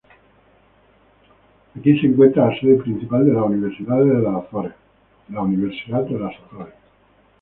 Aquí se encuentra la sede principal de la Universidad de las Azores.